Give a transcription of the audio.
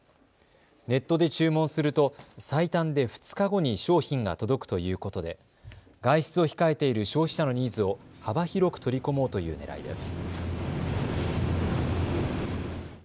ネットで注文すると最短で２日後に商品が届くということで外出を控えている消費者のニーズを幅広く取り込もうというねらいです。